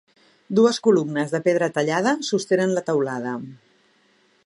Dues columnes de pedra tallada sostenen la teulada.